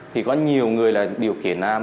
thì có nhiều người là điều khiển